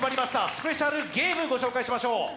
スペシャルゲームご紹介しましょう。